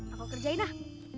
aku kerjain lah